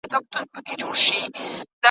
چې يې سرباز مړ وي، په وير کې يې اتل ژاړي